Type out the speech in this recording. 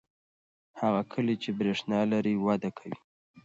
هغه کلی چې برېښنا لري وده کوي.